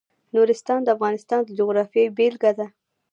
نورستان د افغانستان د جغرافیې بېلګه ده.